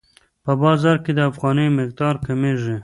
په بازار کې د افغانیو مقدار کمیږي.